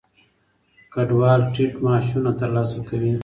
کډوال ټیټ معاشونه ترلاسه کوي.